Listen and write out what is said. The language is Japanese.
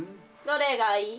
どれがいい？